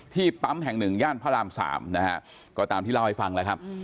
ปั๊มแห่งหนึ่งย่านพระราม๓นะฮะก็ตามที่เล่าให้ฟังแล้วครับ